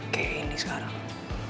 kayak ini sekarang